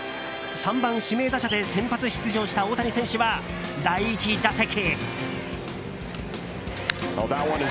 ３番、指名打者で先発出場した大谷選手は第１打席。